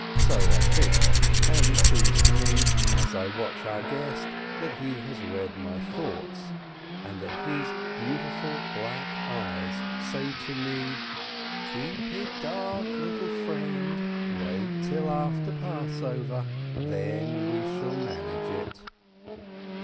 "So I think, and it seems to me, as I watch our guest, that he has read my thoughts, and that his beautiful black eyes say to me : "Keep it dark, little friend, wait till after Passover, then we shall manage it